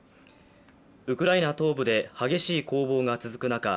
ウクライナ東部で激しい攻防が続く中